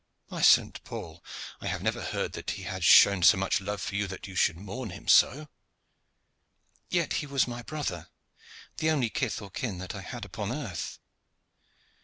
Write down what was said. "By Saint Paul! I have never heard that he had shown so much love for you that you should mourn him so." "Yet he was my brother the only kith or kin that I had upon earth.